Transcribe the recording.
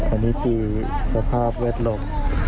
อันนี้คือสภาพแวดล้อม